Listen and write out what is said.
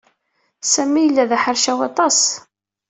Sami yella d aḥercaw aṭas.